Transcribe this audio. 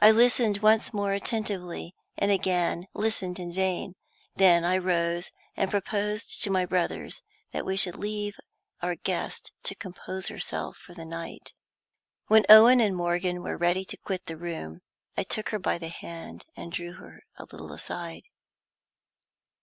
I listened once more attentively, and again listened in vain. Then I rose, and proposed to my brothers that we should leave our guest to compose herself for the night. When Owen and Morgan were ready to quit the room, I took her by the hand, and drew her a little aside.